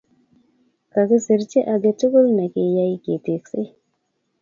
kakisir kyi age tugul nekakiyai keteksei